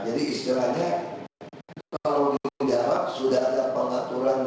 bagaimana pemerintah dari pembangunan